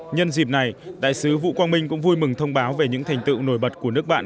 nhân dịp này đại sứ vũ quang minh cũng vui mừng thông báo về những thành tựu nổi bật của nước bạn